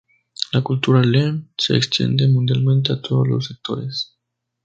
La cultura Lean se extiende mundialmente a todos los sectores.